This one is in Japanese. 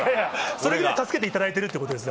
それぐらい助けていただいてるってことです。